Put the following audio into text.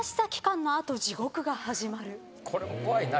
これも怖いな。